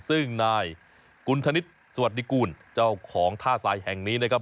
ซึ่งนายกุณธนิษฐ์สวัสดีกูลเจ้าของท่าทรายแห่งนี้นะครับ